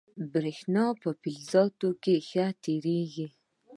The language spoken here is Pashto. برېښنا په فلزاتو کې ښه تېرېږي.